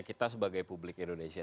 kita sebagai publik indonesia